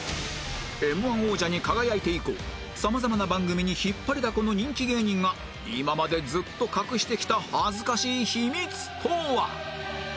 Ｍ−１ 王者に輝いて以降様々な番組に引っ張りだこの人気芸人が今までずっと隠してきた恥ずかしい秘密とは！？